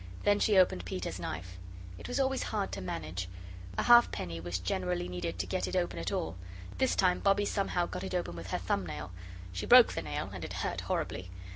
Then she opened Peter's knife. It was always hard to manage a halfpenny was generally needed to get it open at all. This time Bobbie somehow got it open with her thumbnail. She broke the nail, and it hurt horribly.